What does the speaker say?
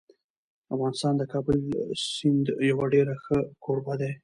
افغانستان د کابل د سیند یو ډېر ښه کوربه دی.